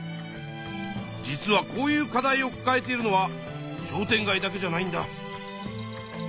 実はこういう課題をかかえているのは商店街だけじゃないんだ。